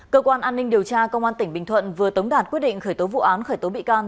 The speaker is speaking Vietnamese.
cơ quan an ninh điều tra công an tỉnh bình thuận vừa tống đạt quyết định khởi tố vụ án khởi tố bị can